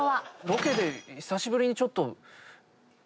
ロケで久しぶりにちょっと。